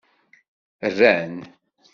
Rran.